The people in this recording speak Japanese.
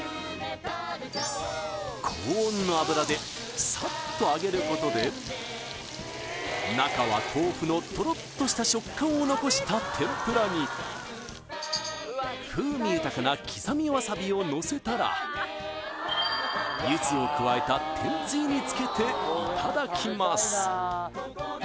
高温の油でサッと揚げることで中は豆腐のトロッとした食感を残した天ぷらに風味豊かな刻みわさびをのせたらゆずを加えた天つゆにつけていただきます